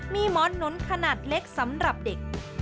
มีหมอนหนุนขนาดเล็กสำหรับเด็ก